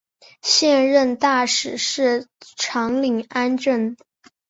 现任大使是长岭安政。